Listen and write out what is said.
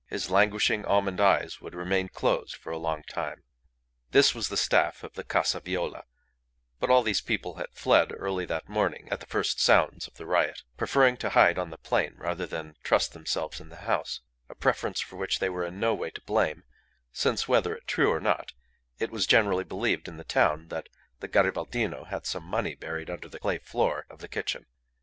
His languishing almond eyes would remain closed for a long time. This was the staff of the Casa Viola, but all these people had fled early that morning at the first sounds of the riot, preferring to hide on the plain rather than trust themselves in the house; a preference for which they were in no way to blame, since, whether true or not, it was generally believed in the town that the Garibaldino had some money buried under the clay floor of the kitchen.